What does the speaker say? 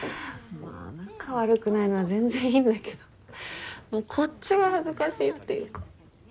まあ仲悪くないのは全然いいんだけどこっちが恥ずかしいっていうか。